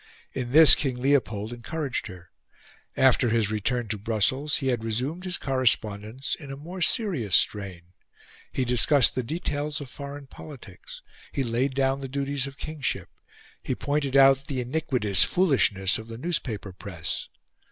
In this King Leopold encouraged her. After his return to Brussels, he had resumed his correspondance in a more serious strain; he discussed the details of foreign politics; he laid down the duties of kingship; he pointed out the iniquitous foolishness of the newspaper press.